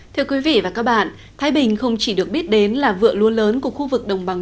thưa quý vị và các bạn thái bình không chỉ được biết đến là vựa lúa lớn của khu vực đồng bằng